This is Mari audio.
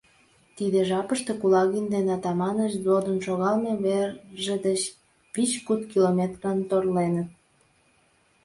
Тиде жапыште Кулагин ден Атаманыч взводын шогалме верже деч вич-куд километрлан торленыт.